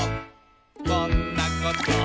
「こんなこと」